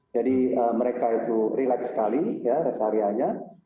jadi mereka itu relax sekali res area nya